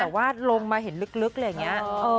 เป็นกับว่าลงมาเห็นลึกเลยอย่างนี้